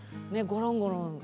ゴロンゴロン